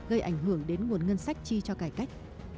gây ảnh hưởng đến nguồn ngân sách chi cho cải cách